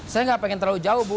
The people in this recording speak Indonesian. saya gak pengen terlalu jauh